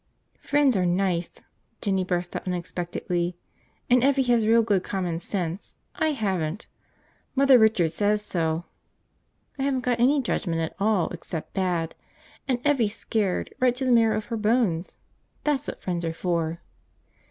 "Friends are nice!" Jinny burst out unexpectedly. "And Evvie has real good common sense. I haven't; Mother Richard says so. I haven't got any judgment at all, except bad. And Evvie's scared, right to the marrow of her bones! That's what friends are for!"